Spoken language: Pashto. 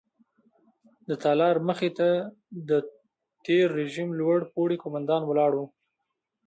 د تالار مخې ته د تېر رژیم لوړ پوړي قوماندان ولاړ وو.